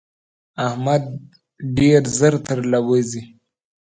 احمد ډېر ژر تر له وزي.